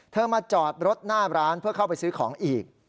มาจอดรถหน้าร้านเพื่อเข้าไปซื้อของอีก